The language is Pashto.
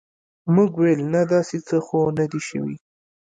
موږ ویل نه داسې څه خو نه دي شوي.